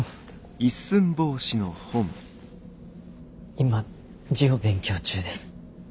今字を勉強中で。